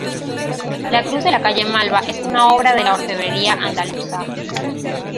La Cruz de la Calle Malva, es una obra de la orfebrería andaluza.